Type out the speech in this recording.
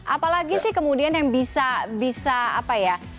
apalagi sih kemudian yang bisa bisa apa ya